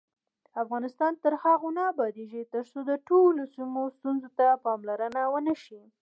افغانستان تر هغو نه ابادیږي، ترڅو د ټولو سیمو ستونزو ته پاملرنه ونشي.